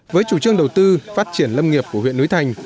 với chủ trương đầu tư phát triển lâm nghiệp của huyện núi thành